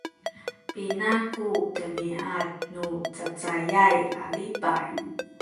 pina ku demiad nu cacayay a lipay?